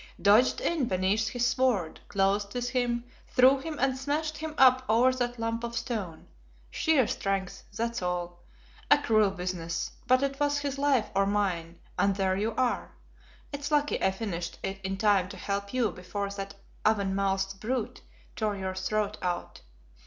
"Dodged in beneath his sword, closed with him, threw him and smashed him up over that lump of stone. Sheer strength, that's all. A cruel business, but it was his life or mine, and there you are. It's lucky I finished it in time to help you before that oven mouthed brute tore your throat out.